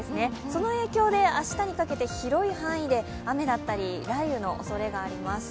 その影響で明日にかけて広い範囲で雨だったり雷雨のおそれがあります。